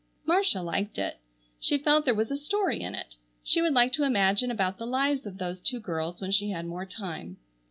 Marcia liked it. She felt there was a story in it. She would like to imagine about the lives of those two girls when she had more time.